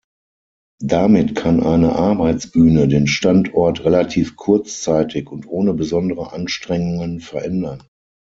Damit kann eine Arbeitsbühne den Standort relativ kurzzeitig und ohne besondere Anstrengungen verändern.